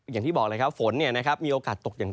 อย่างที่บอกว่าฝนนี่มีโอกาสตกอย่าง